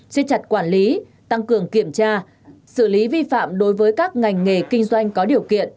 chia chặt quản lý tăng cường kiểm tra xử lý vi phạm đối với các ngành nghề kinh doanh có điều kiện